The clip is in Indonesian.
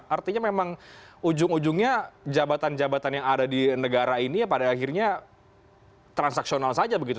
artinya memang ujung ujungnya jabatan jabatan yang ada di negara ini ya pada akhirnya transaksional saja begitu